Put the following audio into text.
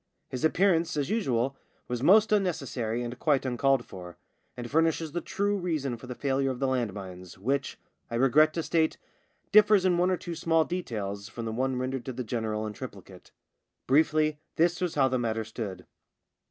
His appear ance, as usual, was most unnecessary and quite uncalled for, and furnishes the true reason for the failure of the land mines, which, I regret to state, differs in one or two small details from the one rendered to the general in triplicate. Briefly, this was how the matter stood.